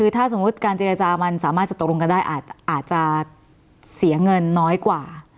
ถ้าสมมุติการเจรจามันสามารถจะตกลงกันได้อาจจะเสียเงินน้อยกว่า